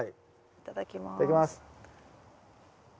いただきます。